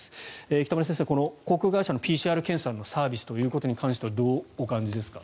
北村先生、航空会社のＰＣＲ検査のサービスということに関してはどうお感じですか。